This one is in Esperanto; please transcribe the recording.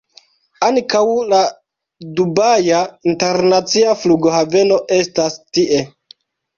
Ankaŭ la Dubaja Internacia Flughaveno estas tie.